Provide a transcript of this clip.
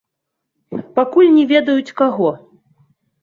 Пакуль не ведаюць, каго.